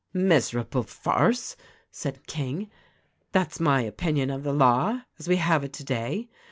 "Miserable farce!" said King, "that's my opinion of the law — as we have it today.